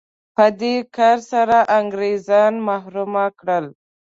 په دې کار سره انګرېزان محروم کړل.